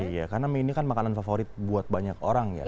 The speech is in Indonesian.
iya karena mie ini kan makanan favorit buat banyak orang ya